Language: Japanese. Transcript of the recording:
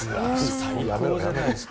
最高じゃないですか。